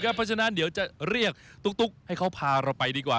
เพราะฉะนั้นเดี๋ยวจะเรียกตุ๊กให้เขาพาเราไปดีกว่า